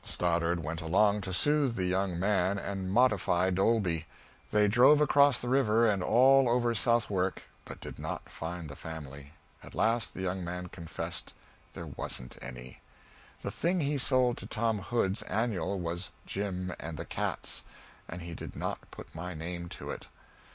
Stoddard went along to soothe the young man and modify Dolby. They drove across the river and all over Southwark, but did not find the family. At last the young man confessed there wasn't any. The thing he sold to Tom Hood's Annual was "Jim and the Cats." And he did not put my name to it.